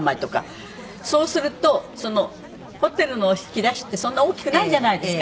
そうするとホテルの引き出しってそんな大きくないじゃないですか。